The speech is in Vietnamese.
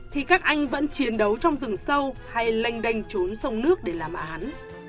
thì các anh vẫn chiến đấu trong rừng sâu hay lênh đênh trốn sông nước để làm án